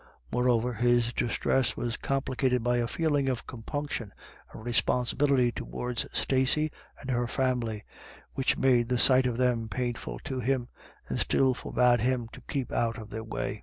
Moreover, his distress was complicated by a feeling of compunction and responsibility towards Stacey and her family, which made the sight of them pain ful to him, and still forbade him to keep out of their way.